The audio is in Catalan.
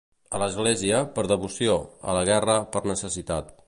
A l'església, per devoció; a la guerra, per necessitat.